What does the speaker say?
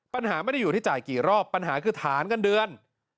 ปัญหาไม่ได้อยู่ที่จ่ายกี่รอบปัญหาคือฐานเงินเดือน